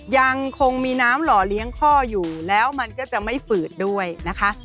ยังคงมีน้ำหล่อเลี้ยงข้ออยู่แล้วมันก็จะไม่ฝืดด้วยนะคะ